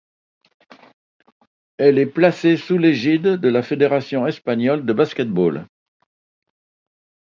Elle est placée sous l’égide de la Fédération espagnole de basket-ball.